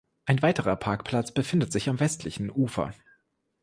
Ein weiterer Parkplatz befindet sich am westlichen Ufer.